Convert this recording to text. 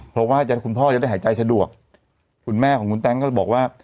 เพราะว่าคุณพ่อจะได้หายใจสะดวกคุณแม่ของคุณแต๊งก็เลยบอกว่า